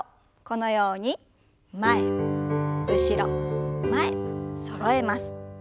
このように前後ろ前そろえます。